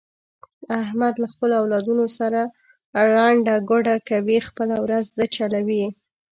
احمد له خپلو اولادونو سره ړنده ګوډه کوي، خپله ورځ ده چلوي یې.